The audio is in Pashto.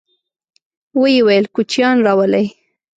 ويې ويل: کوچيان راولئ!